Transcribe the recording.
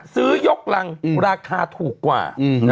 ซื้อยกรังราคาถูกกว่า